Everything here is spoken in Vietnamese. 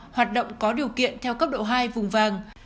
hoạt động có điều kiện theo cấp độ hai vùng vàng